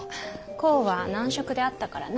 公は男色であったからな。